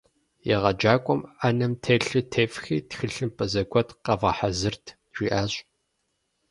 Егъэджакӏуэм «ӏэнэм телъыр тефхи, тхылъымпӏэ зэгуэт къэвгъэхьэзырыт» жиӏащ.